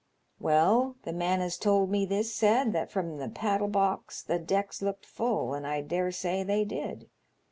Well, the man as told me this said that from the paddle box the decks looked full, and I dare say they did.